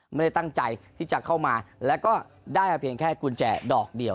ไม่ได้ตั้งใจที่จะเข้ามาแล้วก็ได้มาเพียงแค่กุญแจดอกเดียว